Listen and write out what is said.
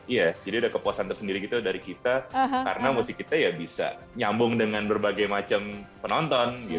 iya jadi ada kepuasan tersendiri gitu dari kita karena musik kita ya bisa nyambung dengan berbagai macam penonton